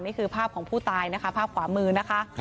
นี่คือภาพของผู้ตายนะคะภาพขวามือนะคะ